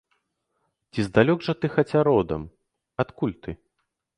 Ці здалёк жа ты хаця родам, адкуль ты?